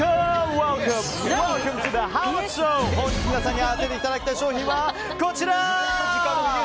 本日皆さんに当てていただきたい商品はこちら！